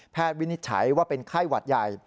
วินิจฉัยว่าเป็นไข้หวัดใหญ่